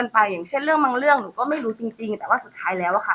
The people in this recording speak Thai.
ไปอย่างเช่นเรื่องบางเรื่องหนูก็ไม่รู้จริงจริงแต่ว่าสุดท้ายแล้วอะค่ะ